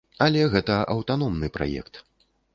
Але гэта аўтаномны праект.